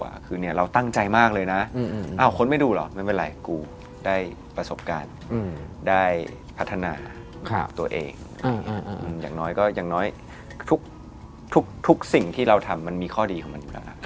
รายละครเรื่องไหนที่ทำให้เล็กย์ชีวิตหน้ามือไปหลังมือพี่บ๊วยจะมีก็เรื่องกวนคาลทองครับผมกับสะพายเจ้า